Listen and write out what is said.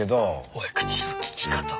おい口の利き方！